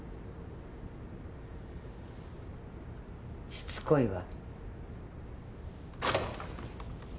しつこいわ。